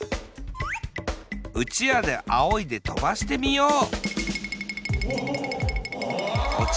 うちわであおいでとばしてみよう！